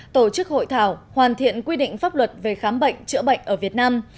tổ chức hội thảo hoàn thiện quy định pháp luật về khám bệnh chữa bệnh ở việt nam